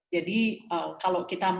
jadi kalau kita